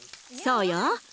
そうよ。